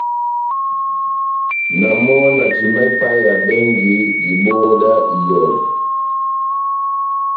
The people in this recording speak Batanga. Na mɔ na timbaha ipaheya bɛngi dibohó dá ihɔjɔ.